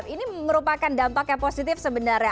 ini merupakan dampak yang positif sebenarnya